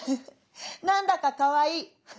何だかかわいい」。